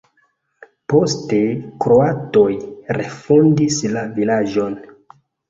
Poste kroatoj refondis la vilaĝon.